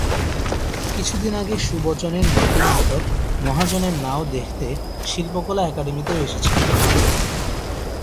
কিছুদিন আগে সুবচনের নতুন নাটক মহাজনের নাও দেখতে শিল্পকলা একাডেমীতেও এসেছিলেন।